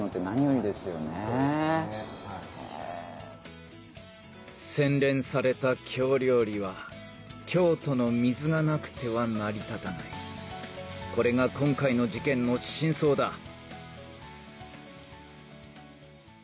そうですねはい洗練された京料理は京都の水がなくては成り立たないこれが今回の事件の真相だ